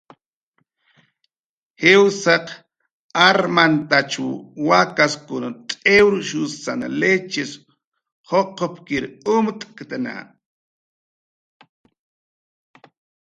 Jiwsaq armantachw wakaskun t'iwrshusan lichis juqupkir umt'ktna